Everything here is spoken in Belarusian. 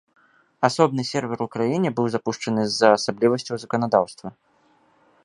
Асобны сервер у краіне быў запушчаны з-за асаблівасцяў заканадаўства.